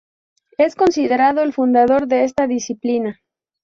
Es considerado el fundador de esta disciplina.